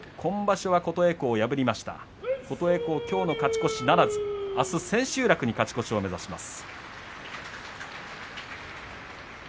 琴恵光、きょうの勝ち越しならずあす千秋楽に勝ち越しを懸けます。